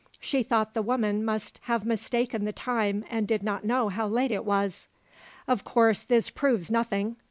She thought the woman must have mistaken the time, and did not know how late it was. "Of course, this proves nothing.